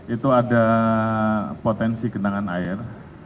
itu ada potensi genangan air